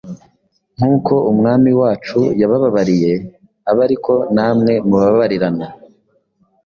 Nk’uko Umwami wacu yabababariye, abe ari ko namwe mubabarirana